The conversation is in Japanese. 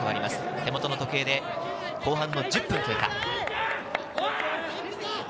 手元の時計で後半１０分経過。